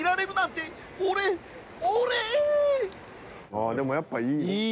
ああでもやっぱいい。